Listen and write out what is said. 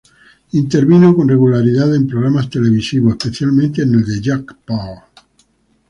Intervino con regularidad en programas televisivos, especialmente en el de Jack Paar.